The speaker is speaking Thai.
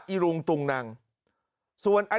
มีพฤติกรรมเสพเมถุนกัน